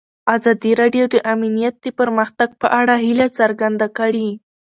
ازادي راډیو د امنیت د پرمختګ په اړه هیله څرګنده کړې.